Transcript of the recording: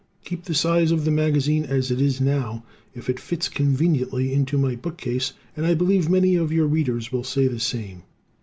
Keep the size of the magazine as it is now; it fits conveniently into my bookcase, and I believe many of your Readers will say the same.